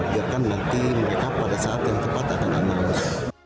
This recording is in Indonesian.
biar kan nanti mereka pada saat yang tepat akan danaus